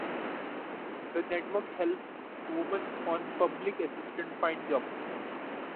The Network helps women on public assistance find jobs.